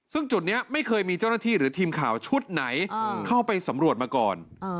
ซึ่งจุดนี้ไม่เคยมีเจ้าหน้าที่หรือทีมข่าวชุดไหนเข้าไปสำรวจมาก่อน